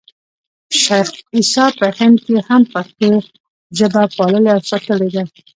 شېخ عیسي په هند کښي هم پښتو ژبه پاللـې او ساتلې ده.